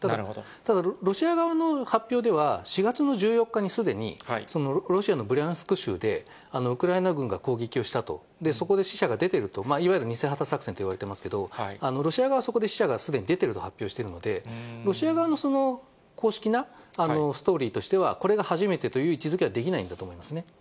ただ、ロシア側の発表では、４月の１４日にすでにロシアのブリャンスク州で、ウクライナ軍が攻撃をしたと、そこで死者が出ていると、いわゆる偽旗作戦といわれてますけれども、ロシア側はそこですでに死者が出ていると発表しているので、ロシア側の公式なストーリーとしては、これが初めてという位置づ分かりました。